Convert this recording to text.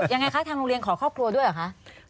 ยังไงคะทางโรงเรียนขอครอบครัวด้วยเหรอคะ